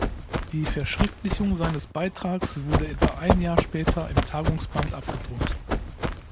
Die Verschriftlichung seines Beitrags wurde etwa ein Jahr später im Tagungsband abgedruckt.